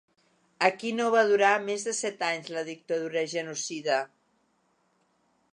Aquí no va durar més de set anys la dictadura genocida.